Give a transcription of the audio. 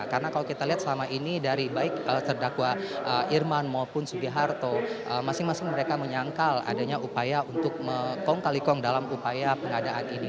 karena kalau kita lihat selama ini dari baik terdakwa irman maupun sudiarto masing masing mereka menyangkal adanya upaya untuk mengkongkali kong dalam upaya pengadaan ini